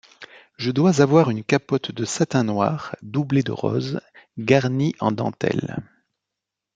Je dois avoir une capote de satin noir doublée de rose, garnie en dentelles.